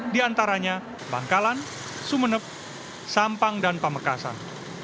diantaranya bangkalan sumeneb sampang dan pamekasan